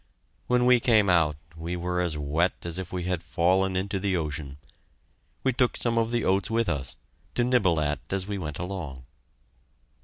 When we came out we were as wet as if we had fallen into the ocean. We took some of the oats with us, to nibble at as we went along.